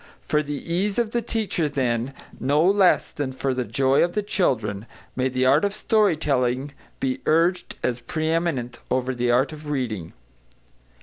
For the ease of the teacher, then, no less than for the joy of the children, may the art of story telling be urged as pre eminent over the art of reading.